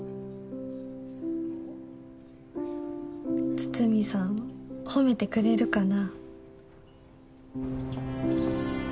筒見さん褒めてくれるかな？